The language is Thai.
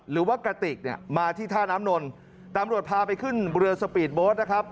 หรือว่ากระติกมาที่ท่าน้ำนนต์ตำรวจพาไปขึ้นเรือสปีดโบสต์นะครับ